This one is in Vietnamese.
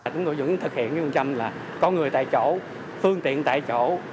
chúng tôi vẫn thực hiện cái phương trăm là có người tại chỗ phương tiện tại chỗ